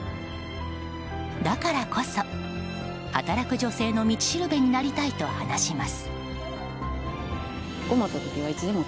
だからこそ、働く女性の道しるべになりたいと話します。